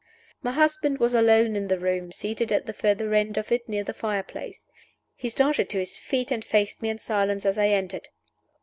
My husband was alone in the room, seated at the further end of it, near the fire place. He started to his feet and faced me in silence as I entered.